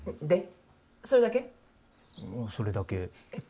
それだけ。